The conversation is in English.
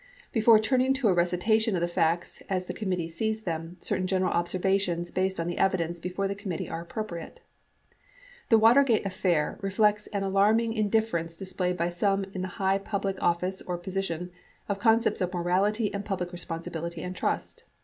Before turning to a recitation of the facts as the committee sees them, certain general observations based on the evidence before the committee are appropriate. The Watergate affair reflects an alarm ing indifference displayed by some in the high public office or position to concepts of morality and public responsibility and trust.